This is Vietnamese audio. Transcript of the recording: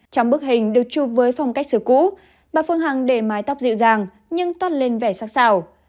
trong bức hình được chụp với phong cách sửa cũ bà phương hằng để mái tóc dịu dàng nhưng toát lên vẻ sắc xào